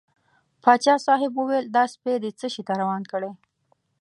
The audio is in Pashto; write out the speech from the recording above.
پاچا صاحب وویل دا سپی دې څه شي ته روان کړی.